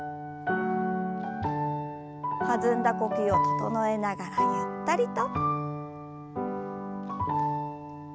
弾んだ呼吸を整えながらゆったりと。